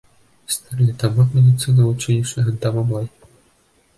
Стәрлетамак медицина училищеһын тамамлай.